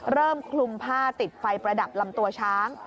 คลุมผ้าติดไฟประดับลำตัวช้าง